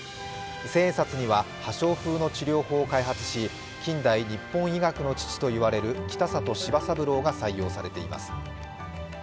千円札には、破傷風の治療法を開発し、近代日本医学の父と言われる北里柴三郎が採用されています。